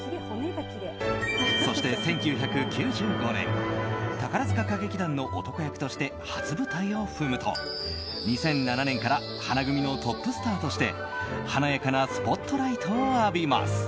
そして、１９９５年宝塚歌劇団の男役として初舞台を踏むと、２００７年から花組のトップスターとして華やかなスポットライトを浴びます。